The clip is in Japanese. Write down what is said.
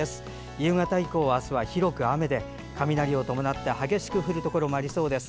夕方以降は広く雨で、雷を伴って激しく降るところもありそうです。